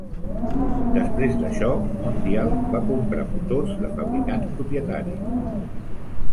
Després d'això, Mondial va comprar motors de fabricants propietaris.